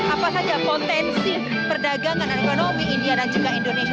apa saja potensi perdagangan dan ekonomi india dan juga indonesia